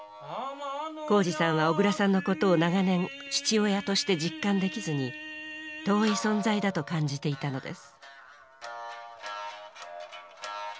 宏司さんは小椋さんのことを長年父親として実感できずに遠い存在だと感じていたのです。